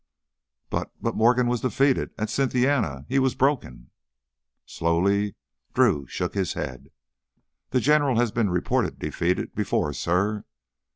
"But, but Morgan was defeated ... at Cynthiana. He was broken " Slowly Drew shook his head. "The General has been reported defeated before, suh.